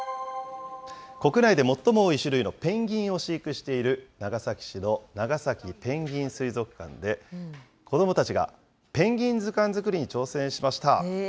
国内で最も多い種類のペンギンを飼育している、長崎市の長崎ペンギン水族館で、子どもたちがペンギン図鑑作りに挑戦しました。